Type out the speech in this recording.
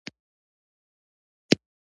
دوی د یو پیچلي توضیحاتو مستحق دي